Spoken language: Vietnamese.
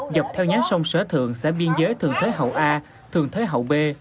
dọc theo nhánh sông sở thượng xã biên giới thường thế hậu a thường thế hậu b